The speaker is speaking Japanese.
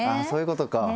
そういうことか。